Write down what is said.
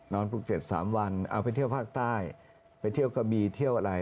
ภูเก็ต๓วันเอาไปเที่ยวภาคใต้ไปเที่ยวกะบีเที่ยวอะไร